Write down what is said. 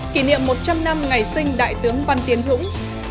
kỷ niệm một trăm linh năm ngày sinh đại tướng văn tiến dũng